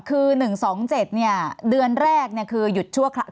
คือหนึ่งสองเจ็ดเนี่ยเดือนแรกเนี่ยคือหยุดชั่วครั้ง